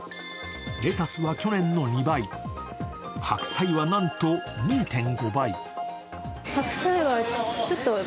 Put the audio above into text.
レタスは去年の２倍、白菜はなんと２．５倍。